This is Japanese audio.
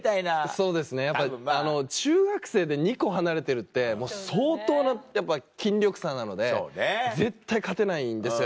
そうですねやっぱ中学生で２コ離れてるって相当なやっぱ筋力差なので絶対勝てないんですよ